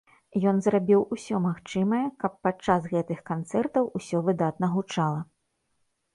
Ён зрабіў усё магчымае, каб падчас гэтых канцэртаў усё выдатна гучала.